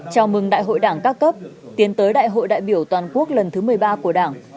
chào mừng đại hội đảng các cấp tiến tới đại hội đại biểu toàn quốc lần thứ một mươi ba của đảng